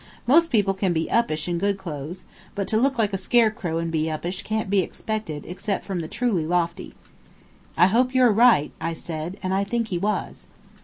Most people can be uppish in good clothes, but to look like a scare crow and be uppish can't be expected except from the truly lofty." "I hope you are right," I said, and I think he was.